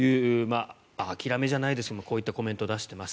諦めじゃないですけどこういったコメントを出しています。